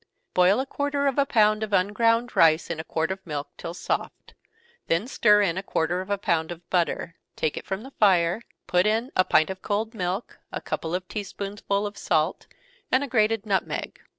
_ Boil a quarter of a pound of unground rice in a quart of milk till soft, then stir in a quarter of a pound of butter take it from the fire, put in a pint of cold milk, a couple of tea spoonsful of salt, and a grated nutmeg.